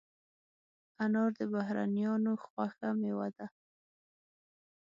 انار د بهرنیانو خوښه مېوه ده.